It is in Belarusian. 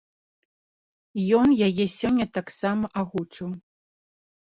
Ён яе сёння таксама агучыў.